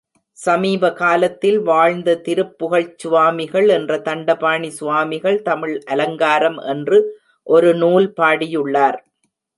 சமீப காலத்தில் வாழ்ந்த திருப்புகழ்ச் சுவாமிகள் என்ற தண்டபாணி சுவாமிகள் தமிழ் அலங்காரம் என்று ஒரு நூல் பாடியுள்ளார்.